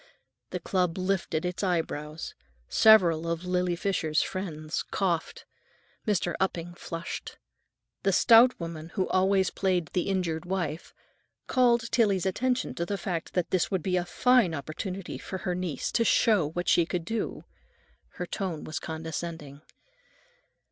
The club lifted its eyebrows. Several of Lily Fisher's friends coughed. Mr. Upping flushed. The stout woman who always played the injured wife called Tillie's attention to the fact that this would be a fine opportunity for her niece to show what she could do. Her tone was condescending.